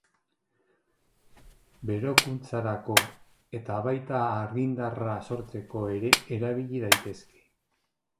Berokuntzarako eta baita argindarra sortzeko ere erabili daitezke.